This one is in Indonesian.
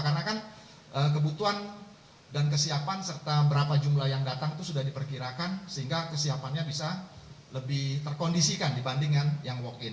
karena kan kebutuhan dan kesiapan serta berapa jumlah yang datang itu sudah diperkirakan sehingga kesiapannya bisa lebih terkondisikan dibandingkan yang walk in